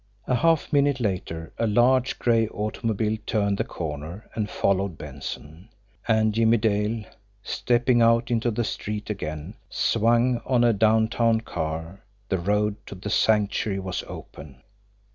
A half minute later, a large gray automobile turned the corner and followed Benson and Jimmie Dale, stepping out into the street again, swung on a downtown car. The road to the Sanctuary was open!